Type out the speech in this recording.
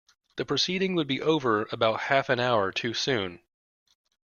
The proceeding would be over about half an hour too soon.